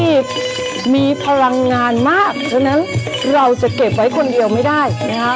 ที่มีพลังงานมากฉะนั้นเราจะเก็บไว้คนเดียวไม่ได้นะฮะ